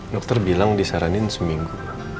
dokter bilang disarankan seminggu